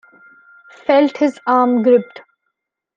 Felt his arm gripped.